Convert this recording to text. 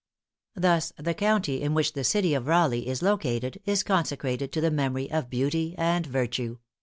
Thus the county in which the city of Raleigh is located, is consecrated to the memory of beauty and virtue.